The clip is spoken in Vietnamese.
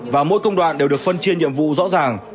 và mỗi công đoạn đều được phân chia nhiệm vụ rõ ràng